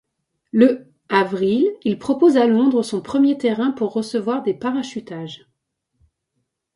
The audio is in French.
Le avril, il propose à Londres son premier terrain pour recevoir des parachutages.